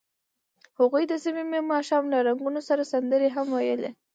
هغوی د صمیمي ماښام له رنګونو سره سندرې هم ویلې.